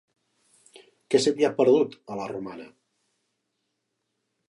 Què se t'hi ha perdut, a la Romana?